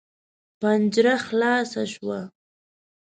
پنجره خلاصه شوه.